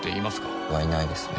はいないですね